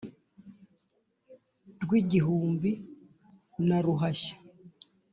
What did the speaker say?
Rw'igihumbi na Ruhashya